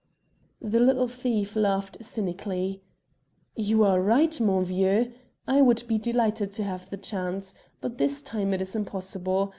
The little thief laughed cynically. "You are right, mon vieux. I would be delighted to have the chance. But this time it is impossible.